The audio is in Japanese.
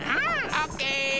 オッケー！